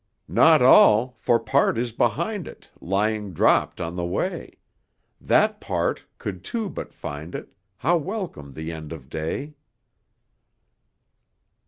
"Not all! for part is behind it, Lying dropped on the way; That part could two but find it, How welcome the end of day!"